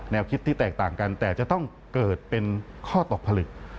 คิดที่แตกต่างกันแต่จะต้องเกิดเป็นข้อตกผลึก